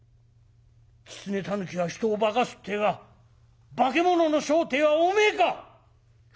キツネタヌキは人を化かすってえのは化物の正体はおめえか！」。